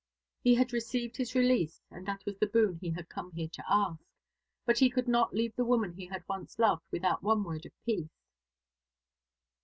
He had received his release, and that was the boon he had come here to ask. But he could not leave the woman he had once loved without one word of peace.